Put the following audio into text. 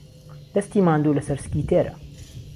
دهستی ماندوو لهسهر سکی تێره